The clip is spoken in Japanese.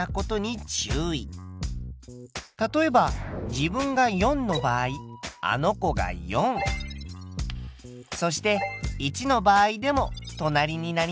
例えば自分が４の場合あの子が４そして１の場合でも隣になります。